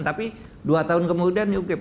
tapi dua tahun kemudian yuk